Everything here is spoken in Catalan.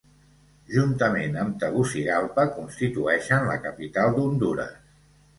Juntament amb Tegucigalpa, constitueixen la capital d'Hondures.